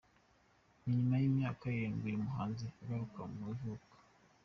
Ni nyuma y’imyaka irindwi uyu muhanzi atagaruka ku ivuko.